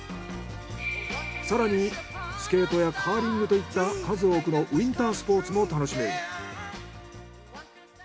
更にスケートやカーリングといった数多くのウィンタースポーツも楽しめる。